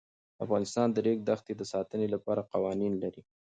افغانستان د د ریګ دښتې د ساتنې لپاره قوانین لري.